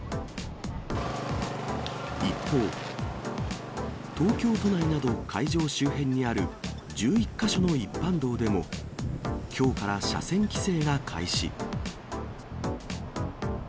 一方、東京都内など会場周辺にある１１か所の一般道でも、きょうから車線規制が開始。